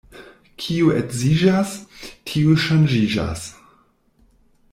Kiu edziĝas, tiu ŝanĝiĝas.